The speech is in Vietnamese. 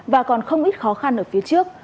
và còn không ít khó khăn ở phía trước